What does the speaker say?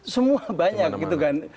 semua banyak gitu kan